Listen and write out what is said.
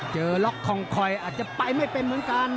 ล็อกคองคอยอาจจะไปไม่เป็นเหมือนกัน